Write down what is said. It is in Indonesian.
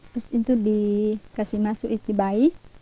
terus itu dikasih masuk istri bayi